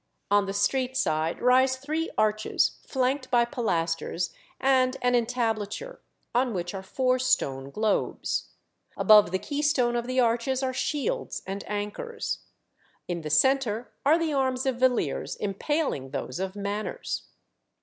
On the street side rise three arches, flanked by pilasters and an entablature, on which are four stone globes. Above the keystone of the arches are shields and anchors. In the centre are the arms of Villiers impaling those of Manners.